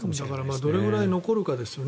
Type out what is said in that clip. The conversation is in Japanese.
どれくらい残るかですよね。